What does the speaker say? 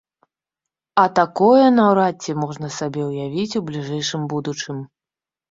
А такое наўрад ці можна сабе ўявіць у бліжэйшым будучым.